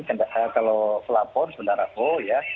kalau pelapor saudara o ya